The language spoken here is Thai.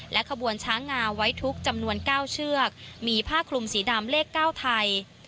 ขบวนช้างงาไว้ทุกจำนวน๙เชือกมีผ้าคลุมสีดำเลข๙ไทย